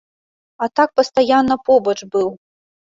А так пастаянна побач быў.